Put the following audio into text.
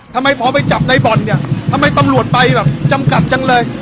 ทำไมพอไปจับในบ่อนเนี่ยทำไมตำรวจไปแบบจำกัดจังเลย